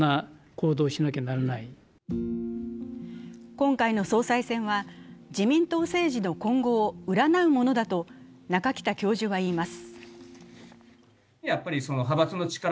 今回の総裁選は自民党政治の今後を占うものだと中北教授はいいます。